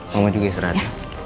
mama juga serah